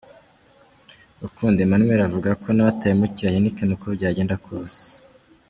Rukundo Emmanuel avuga ko nawe atahemukira Heineken uko byagenda kose.